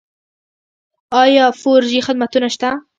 آیا فور جي خدمتونه شته؟